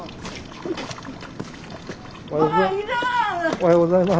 おはようございます。